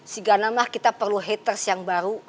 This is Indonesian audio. si ganamah kita perlu haters yang baru